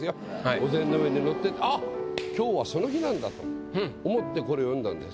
お膳の上にのって「あっ今日はその日なんだ」と思ってこれを詠んだんです。